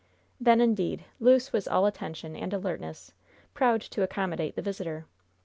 Then, indeed, Luce was all attention and alertness, proud to accommodate the visitor.